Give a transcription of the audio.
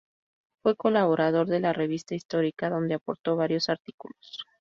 Fue colaborador de la 'Revista histórica' donde aportó varios artículos.